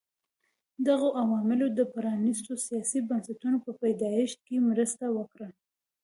دغو عواملو د پرانیستو سیاسي بنسټونو په پیدایښت کې مرسته وکړه.